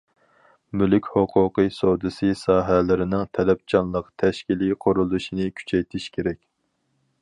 مۈلۈك ھوقۇقى سودىسى ساھەلىرىنىڭ تەلەپچانلىق تەشكىلىي قۇرۇلۇشىنى كۈچەيتىش كېرەك.